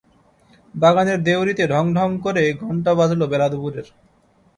বাগানের দেউড়িতে ঢং ঢং করে ঘণ্টা বাজল বেলা দুপুরের।